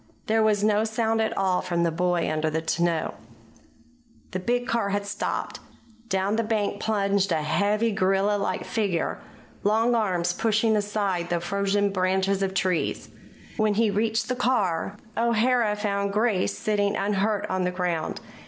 There was no sound at all from the boy under the tonneau. The big car had stopped. Down the bank plunged a heavy, gorilla like figure, long arms pushing aside the frozen branches of trees. When he reached the car, O'Hara found Grace sitting unhurt on the ground.